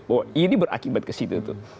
bahwa ini berakibat ke situ tuh